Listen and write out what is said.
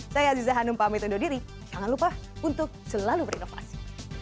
saya aziza hanum pamit undur diri jangan lupa untuk selalu berinovasi